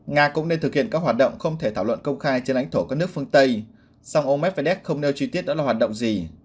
nga cũng nên thực hiện các hoạt động không thể thảo luận công khai trên lãnh thổ các nước phương tây song ông medvedev không nêu chi tiết đó là hoạt động gì